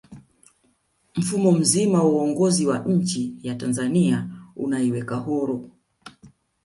mfumo mzima wa uongozi wa nchiya tanzania unaiweka huru